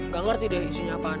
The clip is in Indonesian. gak ngerti deh isinya apaan